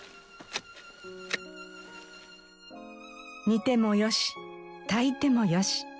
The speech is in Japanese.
煮てもよし炊いてもよし。